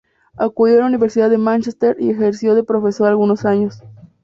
Acudió a la Universidad de Mánchester y ejerció de profesora algunos años.